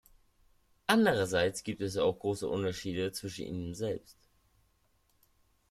Andererseits gibt es auch große Unterschiede zwischen ihnen selbst.